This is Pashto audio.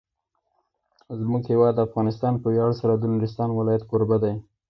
زموږ هیواد افغانستان په ویاړ سره د نورستان ولایت کوربه دی.